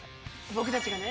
僕たちがね。